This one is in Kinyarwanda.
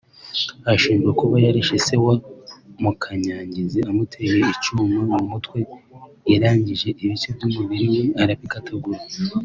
ashinjwa kuba yarishe se wa Mukanyangezi amuteye icumu mu mutwe irangije ibice by’umubiri we arabikatagura